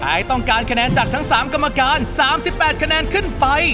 ต้องการคะแนนจากทั้ง๓กรรมการ๓๘คะแนนขึ้นไป